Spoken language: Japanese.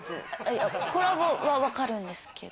いやコラボは分かるんですけど。